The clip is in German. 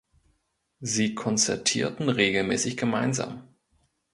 Sie konzertierten regelmäßig gemeinsam.